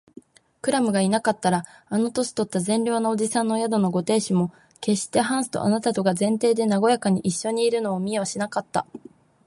クラムがいなかったら、あの年とった善良な伯父さんの宿のご亭主も、けっしてハンスとあなたとが前庭でなごやかにいっしょにいるのを見はしなかった